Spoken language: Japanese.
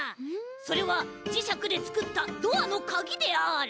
それはじしゃくでつくったドアのカギである。